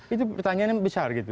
itu pertanyaannya besar gitu